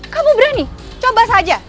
kamu berani coba saja